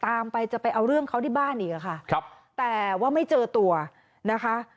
ตามไปจะไปเอาเรื่องเขาที่บ้านอีกอะค่ะครับแต่ว่าไม่เจอตัวนะคะ